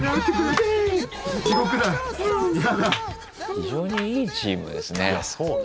非常にいいチームですね。